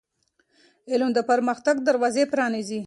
علم د پرمختګ دروازې پرانیزي.